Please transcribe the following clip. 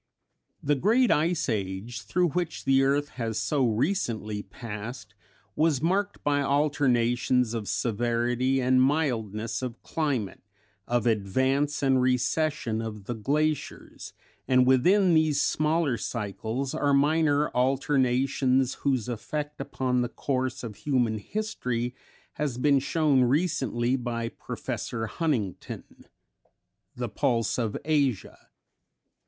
The great Ice Age through which the earth has so recently passed was marked by alternations of severity and mildness of climate, of advance and recession of the glaciers, and within these smaller cycles are minor alternations whose effect upon the course of human history has been shown recently by Professor Huntington ("The Pulse of Asia").